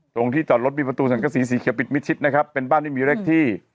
ตรงที่จอดรถมีประตูสังกษีสีเขียวปิดมิดชิดนะครับเป็นบ้านที่มีเลขที่